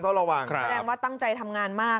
แสดงว่าตั้งใจทำงานมาก